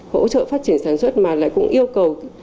hỗ trợ phát triển sản xuất mà lại cũng yêu cầu